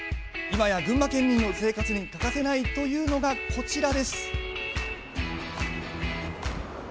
今や群馬県民の生活に欠かせないというのが、こちら。